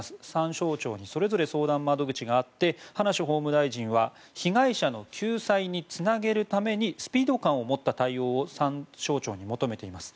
３省庁にそれぞれ相談窓口があって葉梨法務大臣は被害者の救済につなげるためにスピード感を持った対応を３省庁に求めています。